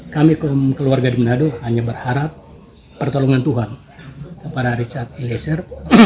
kami keluarga di manado hanya berharap pertolongan tuhan kepada richard eliezer